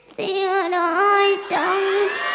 เสียดายจัง